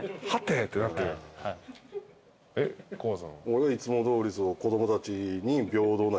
俺はいつもどおり。